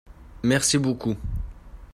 merci beaucoup.